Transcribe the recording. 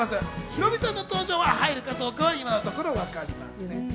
ヒロミさんの登場が入るかどうかは今のところわかりません。